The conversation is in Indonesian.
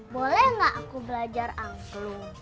boleh gak aku belajar angklung